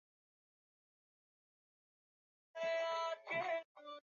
malkia alitangaza kuwa ibada zote zinatakiwapa kufuata liturujia